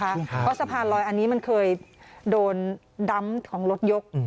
เพราะสะพานลอยอันนี้มันเคยโดนดำของรถยก